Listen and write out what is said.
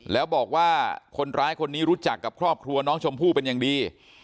แล้วบอกว่าคนร้ายคนนี้รู้จักกับครอบครัวน้องชมพู่เป็นอย่างดี